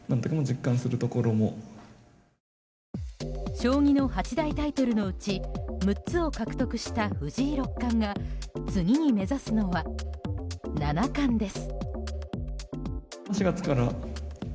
将棋の八大タイトルのうち６つを獲得した藤井六冠が次に目指すのは七冠です。